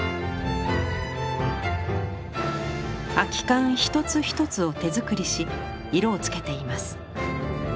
空き缶一つ一つを手作りし色を付けています。